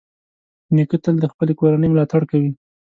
نیکه تل د خپلې کورنۍ ملاتړ کوي.